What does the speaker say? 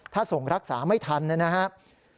ถ้าส่งรักษาไม่ทันนะครับ